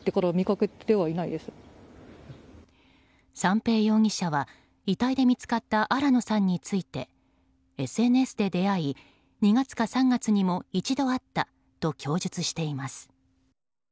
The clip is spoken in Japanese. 三瓶容疑者は遺体で見つかった新野さんについてＳＮＳで出会い、２月か３月にも一度会ったと供述しています。